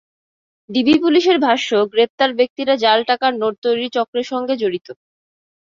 DB পুলিশের ভাষ্য, গ্রেপ্তার ব্যক্তিরা জাল টাকার নোট তৈরির চক্রের সঙ্গে জড়িত।